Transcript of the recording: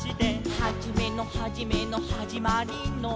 「はじめのはじめのはじまりーのー」